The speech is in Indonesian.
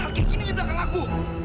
hanya ini mewarangi aku